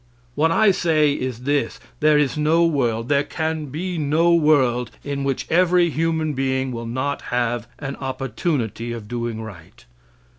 What I say is this: There is no world there can be no world in which every human being will not have an opportunity of doing right.